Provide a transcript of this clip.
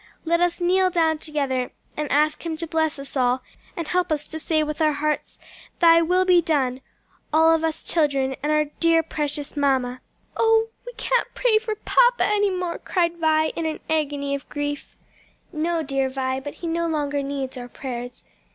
Let us kneel down together and ask Him to bless us all and help us to say with our hearts 'Thy will be done,' all of us children and our dear precious mamma." "Oh we can't pray for papa any more!" cried Vi, in an agony of grief. "No, dear Vi, but he no longer needs our prayers.